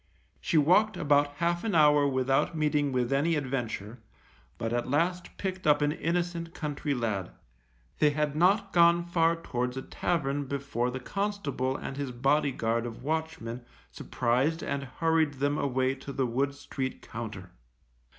She walked about half an hour without meeting with any adventure, but at last picked up an innocent country lad. They had not gone far towards a tavern before the constable and his body guard of watchmen surprised and hurried them away to the Wood Street Compter.